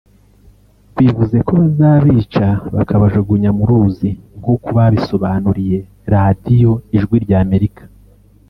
bivuze ko bazabica bakabajugunya mu ruzi nk’uko babisobanuriye Radio Ijwi rya Amerika